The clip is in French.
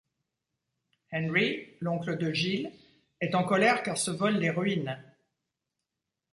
Henry, l'oncle de Gil, est en colère car ce vol les ruine.